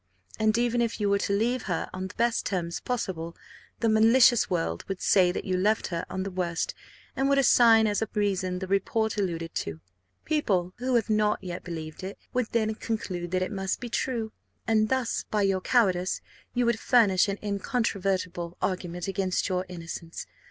And, even if you were to leave her on the best terms possible, the malicious world would say that you left her on the worst, and would assign as a reason the report alluded to. People who have not yet believed it would then conclude that it must be true; and thus by your cowardice you would furnish an incontrovertible argument against your innocence.